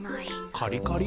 カリカリ？